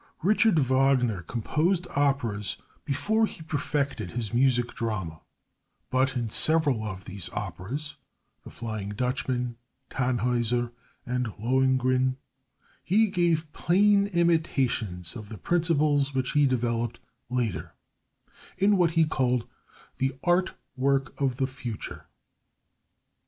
Richard Wagner composed operas before he perfected his Music Drama, but in several of these operas The Flying Dutchman, Tannhäuser, and Lohengrin he gave plain intimations of the principles which he developed later in what he called "The Art Work of the Future."